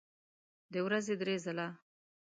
د ورځې درې ځله